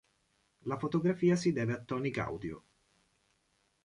La fotografia si deve a Tony Gaudio.